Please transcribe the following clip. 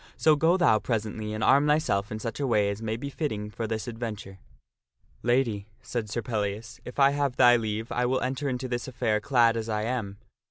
So go thou presently and arm thyself in such a way as may be fitting for this adventure." " Lady," said Sir Pellias, " if I have thy leave, I will enter into this affair clad as I am.